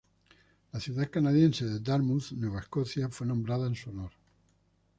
La ciudad canadiense de Dartmouth, Nueva Escocia, fue nombrada en su honor.